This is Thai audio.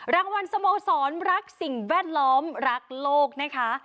รางวัลสโมสรรักสิ่งแวดล้อมรักโลกนะคะ